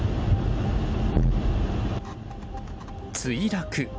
墜落。